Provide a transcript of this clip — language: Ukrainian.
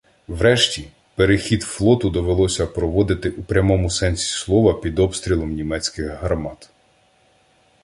Врешті, перехід флоту довелося проводити у прямому сенсі слова під обстрілом німецьких гармат.